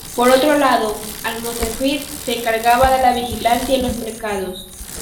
Por otro lado, Al-Muhtasib se encargaba de la vigilancia en los mercados.